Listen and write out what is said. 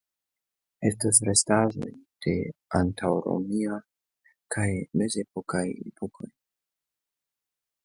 Estas restaĵoj de antaŭromia kaj mezepoka epokoj.